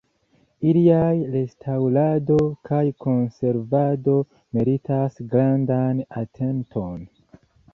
Iliaj restaŭrado kaj konservado meritas grandan atenton.